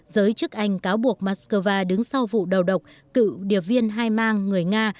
giới chức anh cáo buộc moscow đứng sau vụ đầu độc cựu điệp viên hai mang người nga